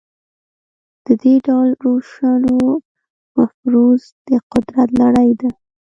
د دې ډول روشونو مفروض د قدرت لړۍ ده.